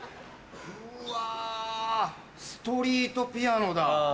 うわストリートピアノだ。